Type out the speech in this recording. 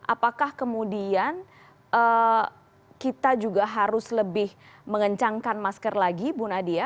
apakah kemudian kita juga harus lebih mengencangkan masker lagi bu nadia